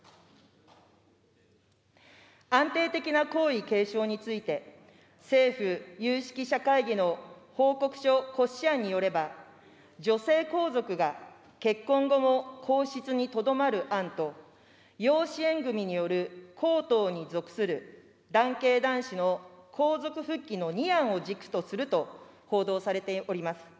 安定的な皇位継承について、政府有識者会議の報告書骨子案によれば、女性皇族が結婚後も皇室にとどまる案と、養子縁組みによる皇統に属する男系男子の皇族復帰の２案を軸とすると報道されております。